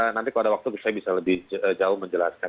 nanti kalau ada waktu saya bisa lebih jauh menjelaskan